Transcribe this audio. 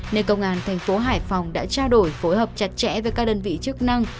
nên công an thành phố hải phòng đã trao đổi phối hợp chặt chẽ với các đơn vị chức năng